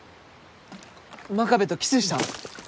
真壁とキスした？